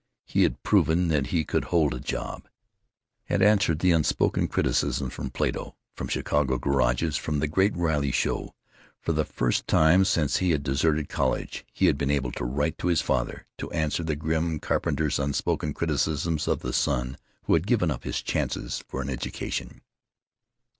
He had proven that he could hold a job; had answered the unspoken criticisms from Plato, from Chicago garages, from the Great Riley Show. For the first time since he had deserted college he had been able to write to his father, to answer the grim carpenter's unspoken criticisms of the son who had given up his chance for an "education."